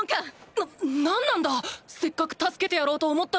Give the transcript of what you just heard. ななんなんだ⁉せっかく助けてやろうと思ったのに！